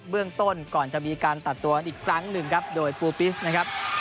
เรื่องต้นก่อนจะมีการตัดตัวกันอีกครั้งหนึ่งครับโดยปูปิสนะครับ